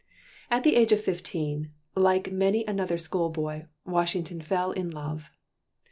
At the age of fifteen, like many another schoolboy, Washington fell in love.